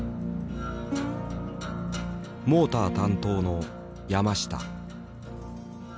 モーター担当の山下。